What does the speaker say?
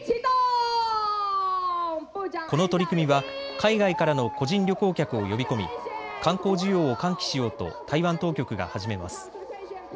この取り組みは海外からの個人旅行客を呼び込み観光需要を喚起しようと台湾当局が始めます。